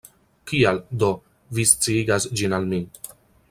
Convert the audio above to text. Kial, do, vi sciigas ĝin al mi?